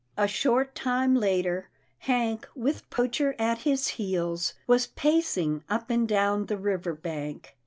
A short time later. Hank, with Poacher at his heels, was pacing up and down the river bank.